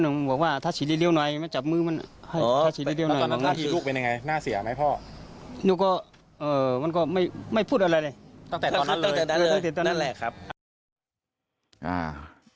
ตั้งแต่ตอนนั้นเลยตั้งแต่ตอนนั้นเลยตั้งแต่ตอนนั้นแหละครับ